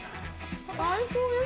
最高です。